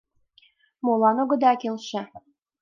Молан огыда келше?